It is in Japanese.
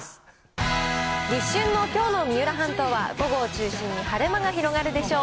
立春のきょうの三浦半島は、午後を中心に晴れ間が広がるでしょう。